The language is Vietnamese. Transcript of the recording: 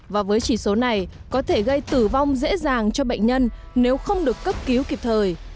và với chỉ số này có thể gây tử vong dễ dàng cho bệnh nhân nếu không được cấp cứu kịp thời